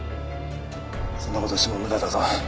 そんな事しても無駄だぞ。